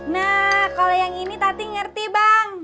nah kalau yang ini tadi ngerti bang